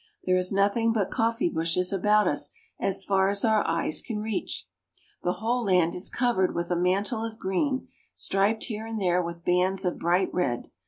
There is nothing but coffee bushes about us as far as our eyes can reach. The whole land is covered with a mantle of green, striped here and there with bands of bright red.